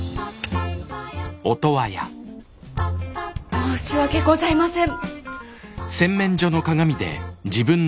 申し訳ございません。